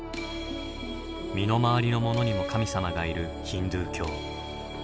身の回りのものにも神様がいるヒンドゥー教。